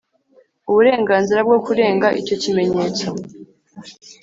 uburenganzira bwo kurenga icyo kimenyetso.